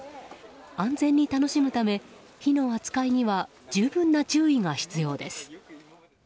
安全に楽しむため火の扱いには十分な注意が必要です。